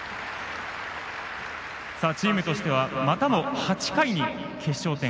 チームとしてはまたも８回に決勝点。